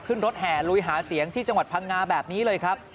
ขึ้นรถแห่ลุยหาเสียงที่จังหวัดพังงาแบบนี้เลยครับ